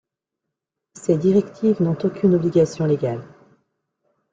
Ces directives n'ont aucune obligation légale.